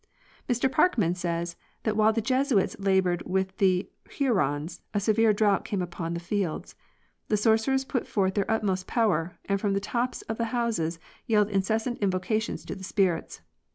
Mr Parkman says that while the Jesuits labored with the Hurons a severe drougth came upon the fields. The sorcerers put forth their utmost power, and from the tops of the houses yelled incessant invocations to the spirits.